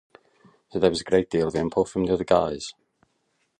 So there wasn't a great deal of input from the other guys.